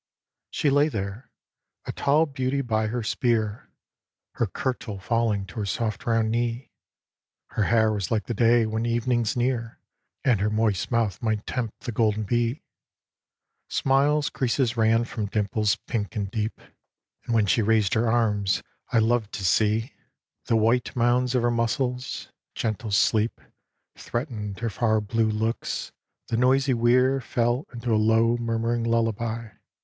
She lay there, a tall beauty by her spear, Her kirtle falling to her soft round knee. Her hair was like the day when evening's near. And her moist mouth might tempt the golden bee. Smile's creases ran from dimples pink and deep. And when she raised her arms I loved to see A DREAM OF ARTEMIS 143 The white mounds of her muscles. Gentle sleep Threatened her far blue looks. The noisy weir Fell into a low murmuring lullaby.